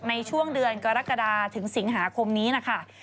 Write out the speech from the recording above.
ในช่วงเดือนกรกฎาถึงสิงหาคมนี้นะคะ